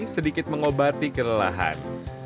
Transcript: sedikit mengobati kerelahan